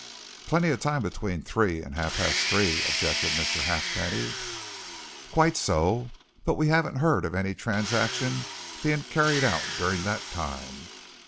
"Plenty of time between three and half past three," objected Mr. Halfpenny. "Quite so, but we haven't heard of any transaction being carried out during that time.